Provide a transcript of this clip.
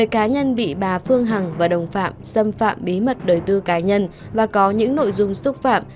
một mươi cá nhân bị bà phương hằng và đồng phạm xâm phạm bí mật đời tư cá nhân và có những nội dung xúc phạm